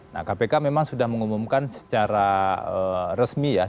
nah kpk memang sudah mengumumkan secara resmi ya